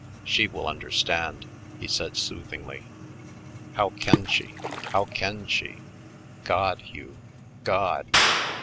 "She will understand," he said soothingly. "How can she? How can she? God, Hugh, God!"